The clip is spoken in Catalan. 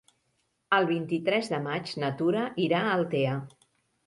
El vint-i-tres de maig na Tura irà a Altea.